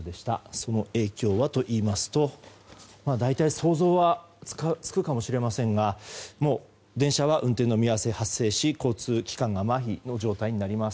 その影響はといいますと大体想像はつくかもしれませんが電車は運転見合わせが発生し交通機関がまひの状態になります。